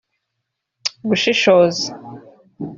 gushishoza